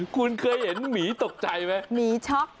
คุณเคยเห็นมีตกใจไหม